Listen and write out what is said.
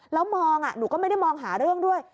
แล้วมองหนูก็ไม่ได้มองหาเรื่องด้วย